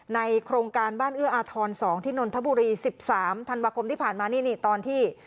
โครงการบ้านเอื้ออาทร๒ที่นนทบุรี๑๓ธันวาคมที่ผ่านมานี่นี่ตอนที่